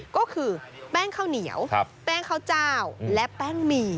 ก็คือแป้งข้าวเหนียวแป้งข้าวเจ้าและแป้งหมี่